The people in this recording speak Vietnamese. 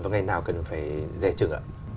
và ngày nào cần phải dè chừng ạ